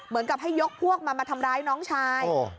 เหมือนกับให้ยกพวกมามาทำร้ายน้องชาย